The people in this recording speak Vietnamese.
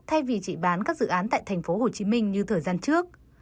thay vì chỉ bán các dự án tại tp hcm như thời gian trước